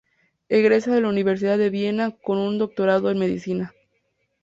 Egresa de la Universidad de Viena con un doctorado en medicina.